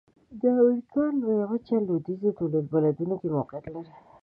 د امریکا لویه وچه لویدیځو طول البلدونو کې موقعیت لري.